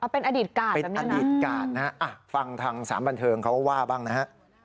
เป็นอดีตกาลแบบนี้นะฮะอ่ะฟังทางสามบันเทิงเขาว่าบ้างนะฮะ